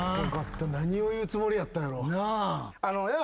何を言うつもりやったんやろう。